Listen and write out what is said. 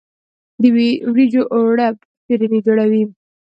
د وریجو اوړه فرني جوړوي.